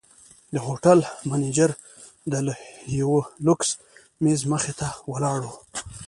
د هوټل منیجر د یوه لوکس میز مخې ته ولاړ و.